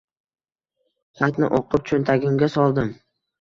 Xatni o‘qib cho‘ntagimga soldim.